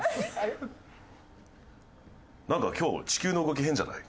なんか今日地球の動き変じゃない？